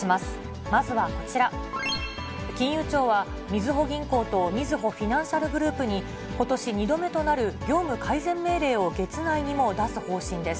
金融庁はみずほ銀行とみずほフィナンシャルグループに、ことし２度目となる業務改善命令を月内にも出す方針です。